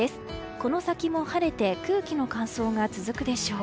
この先も晴れて空気の乾燥が続くでしょう。